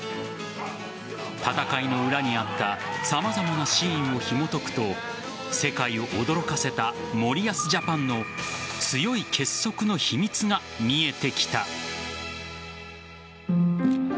戦いの裏にあった様々なシーンをひもとくと世界を驚かせた森保ジャパンの強い結束の秘密が見えてきた。